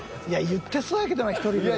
言ってそうやけどな１人ぐらい。